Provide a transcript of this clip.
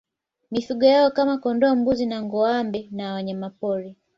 Mifugo yao kama kondoo mbuzi na ngoâmbe na wanyamapori